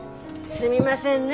すみませんね